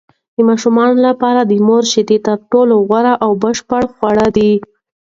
د ماشومانو لپاره د مور شیدې تر ټولو غوره او بشپړ خواړه دي.